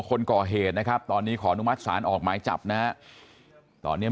คนก่อเหตุนะครับตอนนี้ขออนุมัติศาลออกหมายจับนะฮะตอนนี้